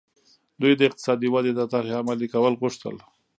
دوی د اقتصادي ودې د طرحې عملي کول غوښتل.